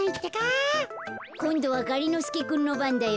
こんどはがりのすけくんのばんだよ。